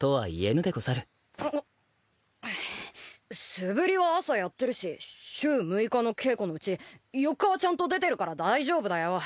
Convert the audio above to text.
素振りは朝やってるし週６日の稽古のうち４日はちゃんと出てるから大丈夫だよ。